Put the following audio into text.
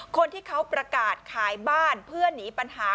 คนที่เขาประกาศขายบ้านเพื่อหนีปัญหา